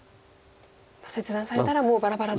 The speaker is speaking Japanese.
切断されたらもうバラバラで。